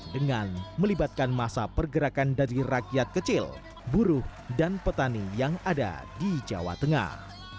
dengan melibatkan masa pergerakan dari rakyat kecil buruh dan petani yang ada di jawa tengah